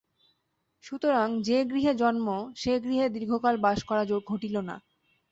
সুতরাং যে গৃহে জন্ম সে গৃহে দীর্ঘকাল বাস করা ঘটিল না।